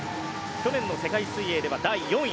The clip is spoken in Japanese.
去年の世界水泳では第４位。